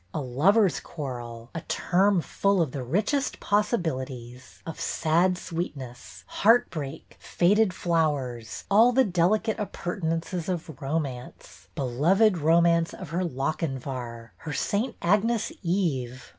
A " lovers' quarrel," a term full of the richest possibilities, of sad sweetness, heartbreak, faded flowers, all the delicate appurtenances of romance, — beloved romance of her Lochinvar, her^St. Agnes' Eve!